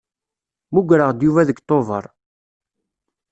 Mugreɣ-d Yuba deg Tuber.